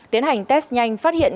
tiến hành test nhanh phát hiện